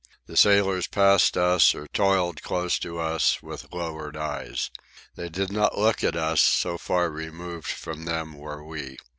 The sailors passed us, or toiled close to us, with lowered eyes. They did not look at us, so far removed from them were we.